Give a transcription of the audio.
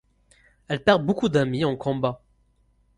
Elle perd beaucoup d´amis en combat.